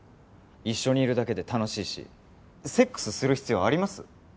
一緒にいるだけで楽しいしセックスする必要あります？